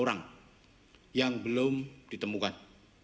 orang yang belum ditemukan